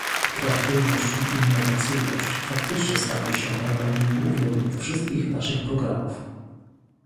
Kreatywność i innowacyjność faktycznie stanie się elementem głównym wszystkich naszych programów